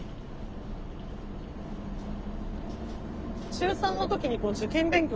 中３の時に受験勉強